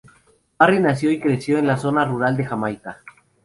Berry nació y creció en la zona rural de Jamaica.